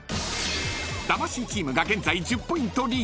［魂チームが現在１０ポイントリード］